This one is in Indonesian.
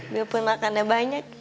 gue pun makannya banyak